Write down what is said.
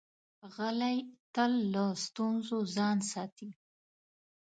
غلی، تل له ستونزو ځان ساتي.